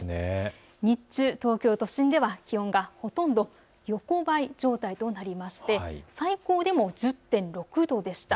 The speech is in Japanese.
日中、東京都心では気温がほとんど横ばい状態となりまして最高でも１０．６度でした。